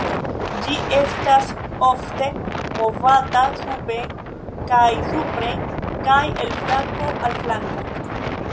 Ĝi estas ofte movata suben kaj supren kaj el flanko al flanko.